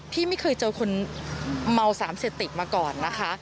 ที่ไม่เคยเจอคนเมาสารเสพติดมาก่อนนะคะ